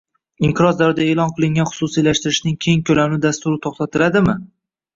Inqiroz davrida e'lon qilingan xususiylashtirishning keng ko'lamli dasturi to'xtatiladimi?